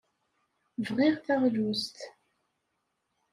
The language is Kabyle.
Bɣiɣ taɣlust.